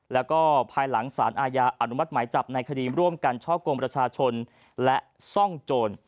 แล้วก็ภายหลังสารอาญาอนุมัติหมายจับในคดีร่วมกันช่อกงประชาชนและซ่องโจร